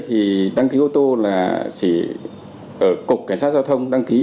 thì đăng ký ô tô là chỉ cục cảnh sát giao thông đăng ký